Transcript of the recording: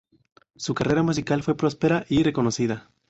Su carrera musical fue próspera y reconocida.